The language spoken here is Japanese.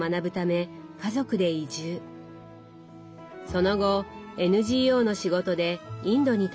その後ＮＧＯの仕事でインドに滞在。